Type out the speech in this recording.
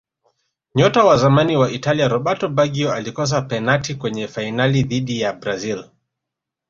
nyota wa zamani wa Italia roberto baggio alikosa penati kwenye fainali dhidi ya brazil